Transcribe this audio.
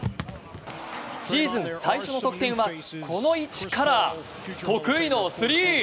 シーズン最初の得点はこの位置から得意のスリー。